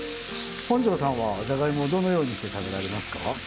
本上さんはじゃがいもをどのようにして食べられますか？